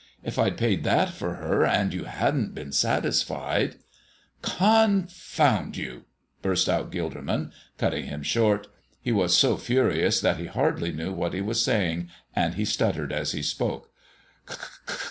If I'd paid that for her and you hadn't been satisfied " "Confound you!" burst out Gilderman, cutting him short. He was so furious that he hardly knew what he was saying, and he stuttered as he spoke.